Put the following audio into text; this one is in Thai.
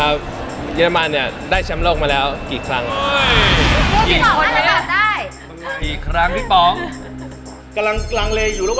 อะไรอ่ะเขาเล่นกันโอ๊ยพี่น้อง